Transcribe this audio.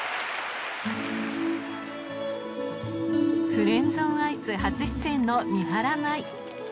『フレンズオンアイス』初出演の三原舞依